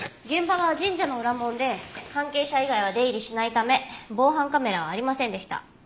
現場は神社の裏門で関係者以外は出入りしないため防犯カメラはありませんでした。